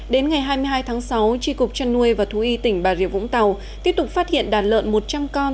đến ngày hai mươi hai tháng sáu tri cục trăn nuôi và thú y tỉnh bà rịa vũng tàu tiếp tục phát hiện đàn lợn một trăm linh con